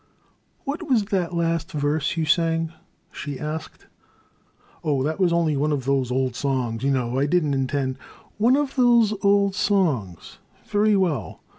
"What was that last verse you sang? she asked. *' Oh, that was only one of those old songs, you know; I did n't intend "'* One of those old songs ? Very well.